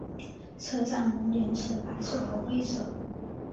车站拱顶是白色和灰色。